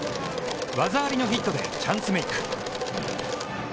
技ありのヒットでチャンスメーク。